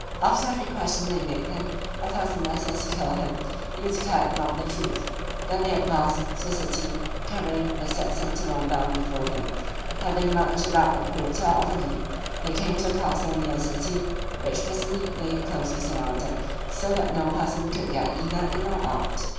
After every question they made him a thousand menaces to kill him, if he declared not the truth. Then they advanced to the city, carrying the said sentinel bound before them: having marched about a quarter of a league, they came to the castle near the city, which presently they closely surrounded, so that no person could get either in or out.